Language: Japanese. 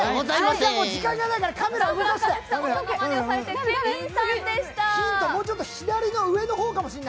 時間がないからカメラを動かして。